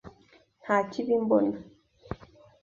Nta kibi mbona.